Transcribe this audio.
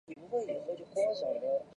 武亭早年到汉城求学。